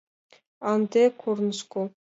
— А ынде — корнышко!